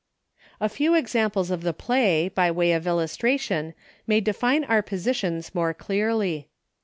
A few examples of the play, by way of illustration, may define our positions more clearly.